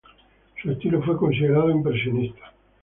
Su estilo fue considerado impresionista.